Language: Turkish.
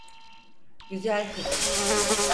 Güzel kızım.